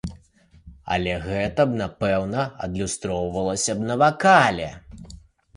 Але гэта напэўна адлюстравалася б на вакале.